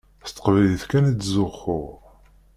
S teqbaylit kan i ttzuxxuɣ.